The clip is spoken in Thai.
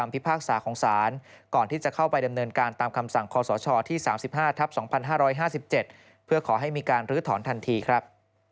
พิพากษาของศาลก่อนที่จะเข้าไปดำเนินการตามคำสั่งคศที่๓๕ทับ๒๕๕๗เพื่อขอให้มีการลื้อถอนทันทีครับ